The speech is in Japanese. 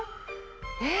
えっ？